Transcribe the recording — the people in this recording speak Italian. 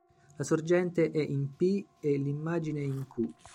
La sorgente è in "p" e l'immagine in "q".